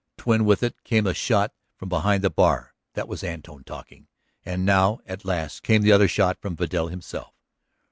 Twin with it came a shot from behind the bar. That was Antone talking. And now at last came the other shot from Vidal himself.